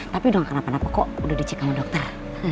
tapi dong kenapa napa kok udah dicek sama dokter